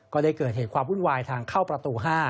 ก็ได้เกิดเหตุความวุ่นวายทางเข้าประตู๕